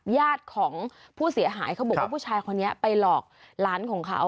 ญาติของผู้เสียหายเขาบอกว่าผู้ชายคนนี้ไปหลอกหลานของเขา